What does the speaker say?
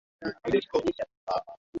Elfu moja mia tisa sabini na sita